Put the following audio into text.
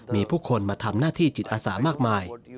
มีผู้คนมาทำหน้าที่จิตอาสามากมาย